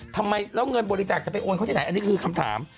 ทำไมแล้วเงินบริจาคจะไปโอนเขาที่ไหนอันนี้คือคำถาม